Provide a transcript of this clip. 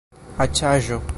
aĉaĵo